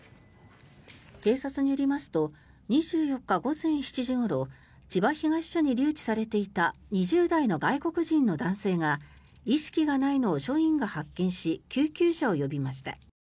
警察によりますと２４日午前７時ごろ千葉東署に留置されていた２０代の外国人の男性が意識がないのを署員が発見し救急車を呼びました。